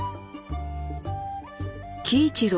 喜一郎